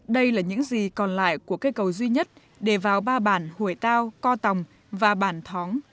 đây là những gì còn lại của cây cầu duy nhất để vào ba bản hủy tao co tòng và bản thoáng